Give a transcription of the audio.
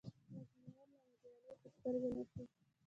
انجنیر ننګیالی په سترګه نه شو.